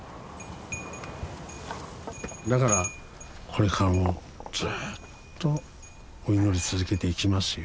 だからこれからもずっとお祈り続けていきますよ。